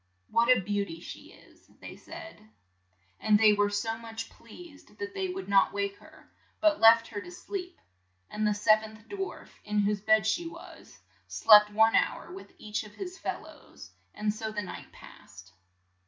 "What a beau ty she is!" they said ; and they were so much pleased that they would not LITTLE SNOWDROP 69 wake her, but left her to sleep, and the sev enth dwarf, in whose bed she was, slept one hour with each of his feMows, and so the night passed.